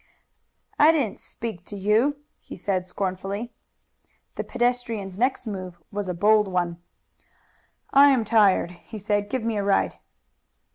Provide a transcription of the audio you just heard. "I didn't speak to you," he said scornfully. The pedestrian's next move was a bold one. "I am tired," he said. "Give me a ride."